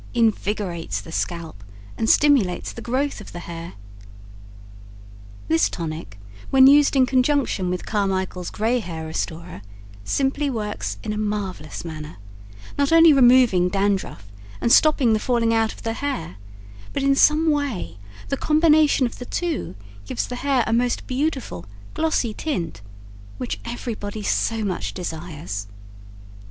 Invigorates the scalp and stimulates the growth of the hair. This Tonic when used in conjunction with Carmichael's Gray Hair Restorer simply works in a marvelous manner, "not only removing dandruff and stopping the falling out of the hair," but in some way the combination of the two, gives the hair a most beautiful, glossy tint, which everybody so much desires.